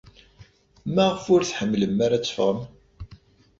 Maɣef ur tḥemmlem ara ad teffɣem?